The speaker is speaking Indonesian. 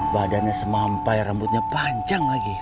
badannya semampai rambutnya panjang lagi